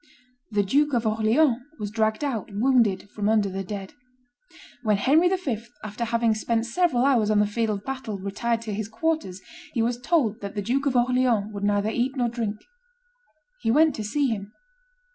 The Duke of Orleans was dragged out wounded from under the dead. When Henry V., after having spent several hours on the field of battle, retired to his quarters, he was told that the Duke of Orleans would neither eat nor drink. He went to see him.